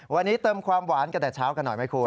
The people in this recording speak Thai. วันนี้เติมความหวานกันแต่เช้ากันหน่อยไหมคุณ